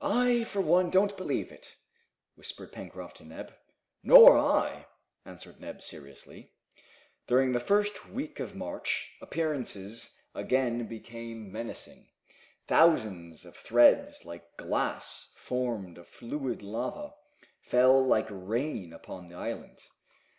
"I, for one, don't believe it!" whispered Pencroft to Neb. "Nor I!" answered Neb seriously. During the first week of March appearances again became menacing. Thousands of threads like glass, formed of fluid lava, fell like rain upon the island.